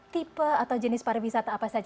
tipe atau jenis para wisata apa saja